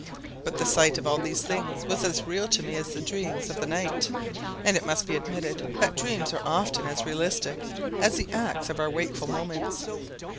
But the sight of all these things was as real to me as the dreams of the night, and it must be admitted that dreams are often as realistic as the acts of our wakeful moments.